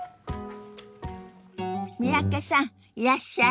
三宅さんいらっしゃい。